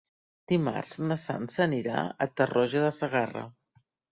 Dimarts na Sança anirà a Tarroja de Segarra.